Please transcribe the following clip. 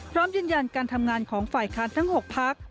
พร้อมยืนยันการทำงานของฝ่ายค้านทั้ง๖พัก